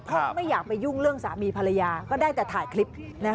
เพราะไม่อยากไปยุ่งเรื่องสามีภรรยาก็ได้แต่ถ่ายคลิป